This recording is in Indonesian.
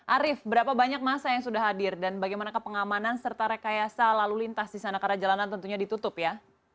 arief berapa banyak masa yang sudah hadir dan bagaimana kepengamanan serta rekayasa lalu lintas di sana karena jalanan tentunya ditutup ya